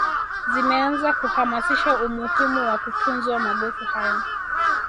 Zimeanza kuhamasisha umuhimu wa kutunzwa magofu haya